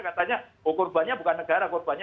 katanya korbannya bukan negara korbannya